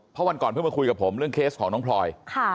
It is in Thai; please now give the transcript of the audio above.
เพราะวันก่อนเพิ่งมาคุยกับผมเรื่องเคสของน้องพลอย